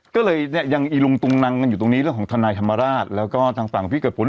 ก็เลยเนี่ยยังอีลุงตุงนังกันอยู่ตรงนี้เรื่องของทนายธรรมราชแล้วก็ทางฝั่งพี่เกิดผล